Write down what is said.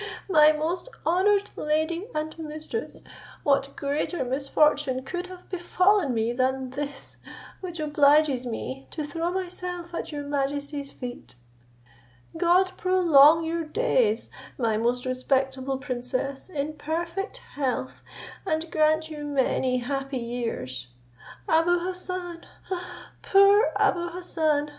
my most honoured lady and mistress, what greater misfortune could have befallen me than this, which obliges me to throw myself at your highness's feet)' God prolong your days, my most respectable princess, in perfect health, and grant you many happy years! Abou Hassan! poor Abou Hassan!